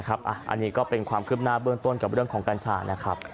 อันนี้ก็เป็นความคืบหน้าเบื้องต้นกับเรื่องของกัญชานะครับ